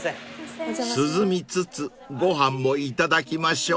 ［涼みつつご飯もいただきましょう］